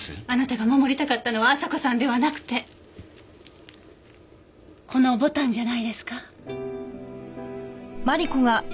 あなたが守りたかったのは朝子さんではなくてこの牡丹じゃないですか？